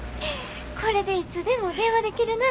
これでいつでも電話できるな。